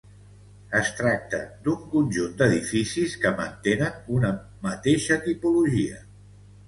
Es tracta d'un conjunt d'edificis que mantenen una mateixa tipologia.